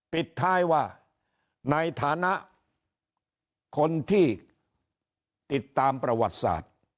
ปิดท้ายว่าในฐานะคนที่ติดตามประวัติศาสตร์